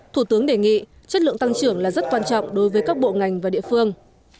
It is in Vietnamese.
thủ tướng đề nghị chất lượng tăng trưởng là rất quan trọng đối với các bộ ngành và địa phương